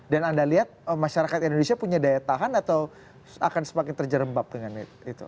dan anda lihat masyarakat indonesia punya daya tahan atau akan semakin terjerembab dengan itu